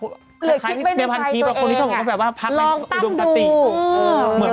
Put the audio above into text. เหมือนประกอบคนที่ชอบบอกว่าแบบว่าบรรษอดุนกฮะติ